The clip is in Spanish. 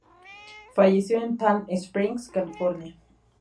Falleció en Palm Springs, California.